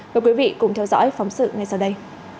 mời quý vị cùng theo dõi phóng sự ngay sau đây